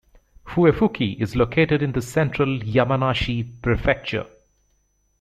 Fuefuki is located in central Yamanashi Prefecture.